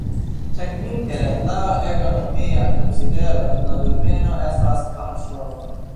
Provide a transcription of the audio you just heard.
Teknike, laŭ ergonomia konsidero la rimeno estas katastrofo.